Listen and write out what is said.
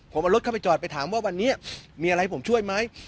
ผมเอารถเข้าไปจอดไปถามว่าวันนี้มีอะไรให้ผมช่วยไหม